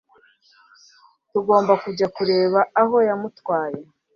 tugomba kujya kureba aho yamutwaye